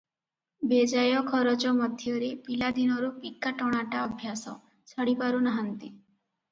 ବେଜାୟ ଖରଚ ମଧ୍ୟରେ ପିଲାଦିନରୁ ପିକା ଟଣାଟା ଅଭ୍ୟାସ, ଛାଡ଼ିପାରୁ ନାହାନ୍ତି ।